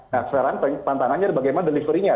nah sekarang tantangannya bagaimana delivery nya